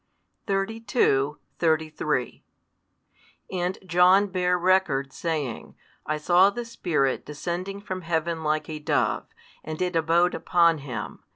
32, 33 And John bare record, saying, I saw the Spirit descending from Heaven like a dove, and It abode upon Him.